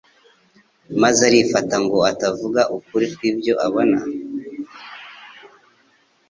maze arifata ngo atavuga ukuri kw'ibyo abona,